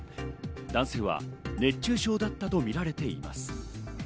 男性は熱中症だったとみられています。